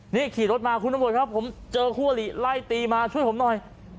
นี่ขี่รถมาคุณตำรวจครับผมเจอคู่อลิไล่ตีมาช่วยผมหน่อย